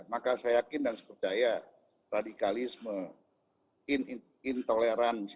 maka saya yakin dan sepercaya radikalisme intoleransi